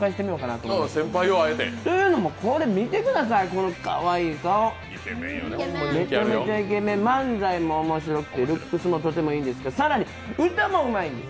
というのもこれ見てください、かわいい顔、めちゃめちゃイケメン、漫才もおもろいんですけど、更に歌もうまいんです。